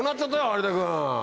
有田君。